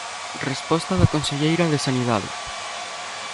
Resposta da conselleira de Sanidade.